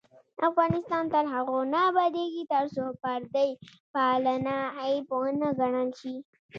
افغانستان تر هغو نه ابادیږي، ترڅو پردی پالنه عیب ونه ګڼل شي.